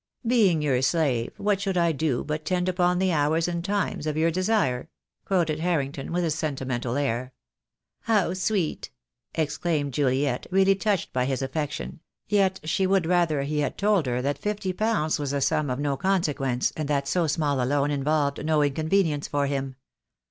"'Being your slave, what should I do but tend upon the hours and times of your desire/ " quoted Harrington, with a sentimental air. "How sweet!" exclaimed Juliet, really touched by his affection; yet she would rather he had told her that fifty pounds was a sum of no consequence, and that so small a loan involved no inconvenience for him.